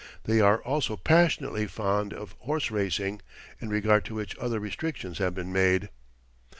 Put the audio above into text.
(They are also passionately fond of horse racing, in regard to which other restrictions have been made.)